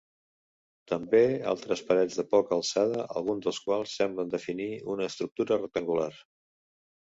També altres parets de poca alçada, alguns dels quals semblen definir una estructura rectangular.